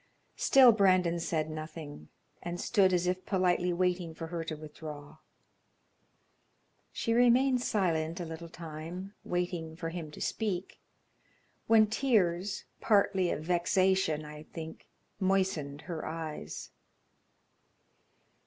Still Brandon said nothing, and stood as if politely waiting for her to withdraw. She remained silent a little time, waiting for him to speak, when tears, partly of vexation, I think, moistened her eyes.